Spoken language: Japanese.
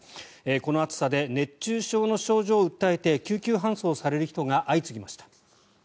この暑さで熱中症の症状を訴えて救急搬送される人が相次ぎました。